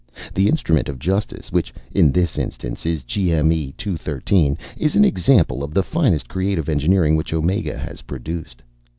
The instrument of justice, which in this instance is GME 213, is an example of the finest creative engineering which Omega has produced.